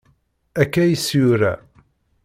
Akka is-yura.